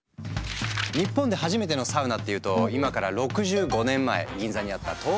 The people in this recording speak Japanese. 日本で初めてのサウナっていうと今から６５年前銀座にあった「東京温泉」。